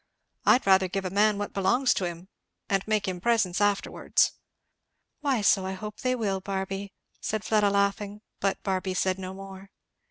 I'd rather give a man what belongs to him, and make him presents afterwards." "Why, so I hope they will, Barby," said Fleda laughing. But Barby said no more.